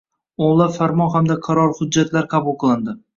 Oʻnlab Farmon hamda qarorlar, hujjatlar qabul qilindi